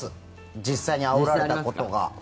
実際にあおられたことが。